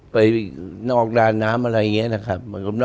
ไปนอกร้านน้ำอะไรอย่างนี้นะครับ